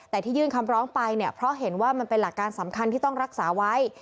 แต่ที่ยื่นคำร้องไปเนี่ยเพราะเห็นว่ามันเป็นหลักการสำคัญที่ต้องรักษาไว้